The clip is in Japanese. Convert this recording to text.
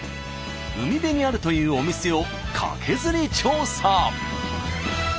海辺にあるというお店をカケズリ調査。